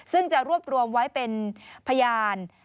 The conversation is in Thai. ซึ่งจะรวบรวมไว้เป็นพยาน